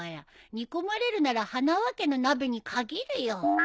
煮込まれるなら花輪家の鍋に限るよ。